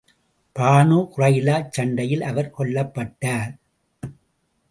Banu குறைலாச் சண்டையில் அவர் கொல்லப்பட்டார்.